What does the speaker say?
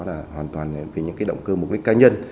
là hoàn toàn vì những cái động cơ mục đích cá nhân